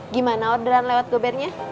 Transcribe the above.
gimana orderan lewat goparnya